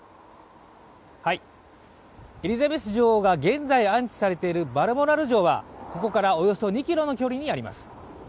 エリザベス女王が現在安置されているバルモラル城は、ここからおよそ２ｋｍの距離にあります。